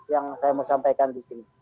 yang saya mau sampaikan disini